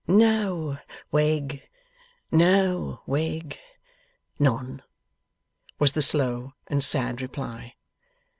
'No, Wegg. No, Wegg. None,' was the slow and sad reply.